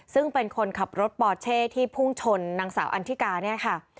ซึ่งเป็นคนขับรถปอเช่ที่พุ่งชนนางสาวอันทิกาเนี่ยค่ะ